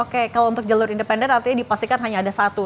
oke kalau untuk jalur independen artinya dipastikan hanya ada satu